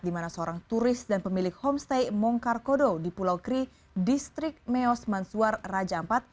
dimana seorang turis dan pemilik homestay mongkarkodo di pulau kri distrik meos mansuar raja ampat